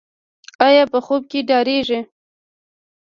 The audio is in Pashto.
ایا په خوب کې ډاریږي؟